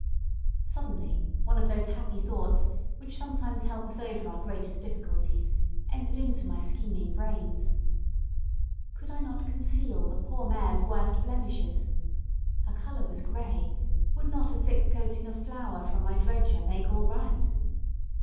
Suddenly one of those happy thoughts, which sometimes help us over our greatest difficulties, entered into my scheming brains. Could I not conceal the poor mare's worst blemishes. Her colour was grey; would not a thick coating of flour from my dredger make all right?